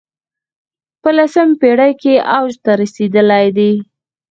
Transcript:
په لسمه پېړۍ کې اوج ته رسېدلی دی